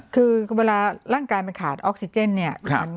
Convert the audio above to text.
คือเวลาร่างกายมันขาดออกซิเจนเนี่ย